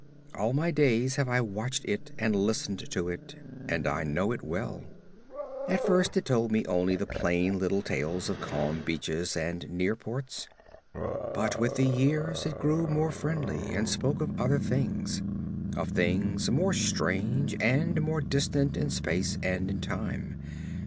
All my days have I watched it and listened to it, and I know it well. At first it told to me only the plain little tales of calm beaches and near ports, but with the years it grew more friendly and spoke of other things; of things more strange and more distant in space and in time.